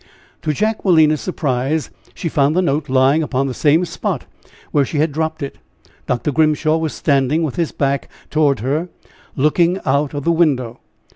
To Jacquelina's surprise she found the note lying upon the same spot where she had dropped it. Dr. Grimshaw was standing with his back toward her, looking out of the window.